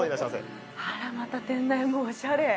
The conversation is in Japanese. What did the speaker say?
あら、また店内もおしゃれ。